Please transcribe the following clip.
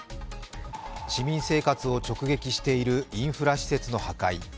市民生活を直撃しているインフラ施設の破壊。